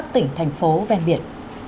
thành phố ven biển